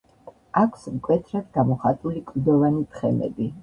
აქვს მკვეთრად გამოხატული კლდოვანი თხემები.